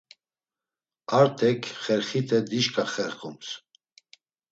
Artek xerxite dişka xerxums.